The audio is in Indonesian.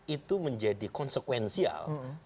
itu menjadi konsekuensi yang sangat besar dan sangat menarik